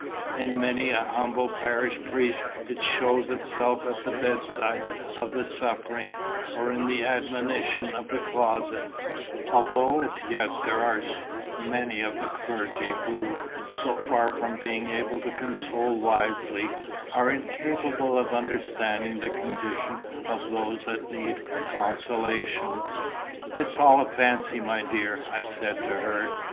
In many a humble parish priest it shows itself at the bedside of the suffering, or in the admonition of the closet, although as yet there are many of the clergy who, so far from being able to console wisely, are incapable of understanding the condition of those that need consolation. "It is all a fancy, my dear," I said to her.